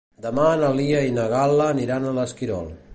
Demà na Lia i na Gal·la aniran a l'Esquirol.